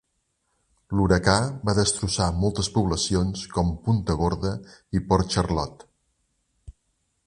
L'huracà va destrossar moltes poblacions com Punta Gorda i Port Charlotte.